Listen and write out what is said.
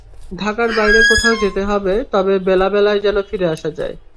ঢাকার বাইরে কোথাও যেতে হবে, তবে বেলা-বেলায় যেন ফিরে আসা যায়।